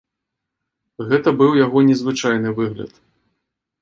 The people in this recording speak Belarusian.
Гэта быў яго незвычайны выгляд.